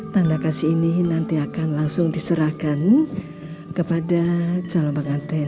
tanda kasih ini nanti akan langsung diserahkan kepada calon pengantin